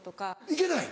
行けない？